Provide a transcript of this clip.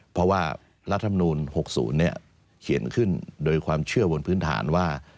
เพราะว่ารัฐมนูล๖๐เขียนขึ้นโดยความเชื่อบนพื้นฐานว่า